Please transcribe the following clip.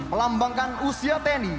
melambangkan usia tni